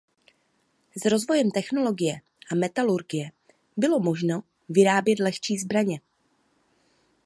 S rozvojem technologie a metalurgie bylo možno vyrábět lehčí zbraně.